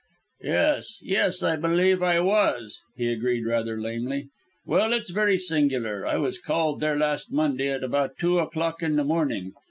"Yes, yes, I believe I was," he agreed, rather lamely. "Well, it's very singular. I was called there last Monday, at about two o'clock in the morning.